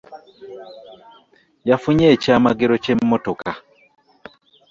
Yafunye ekyamagero kye mmotoka.